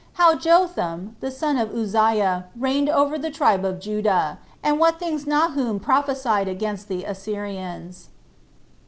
How Jotham, The Son Of Uzziah Reigned Over The Tribe Of Judah; And What Things Nahum Prophesied Against The Assyrians.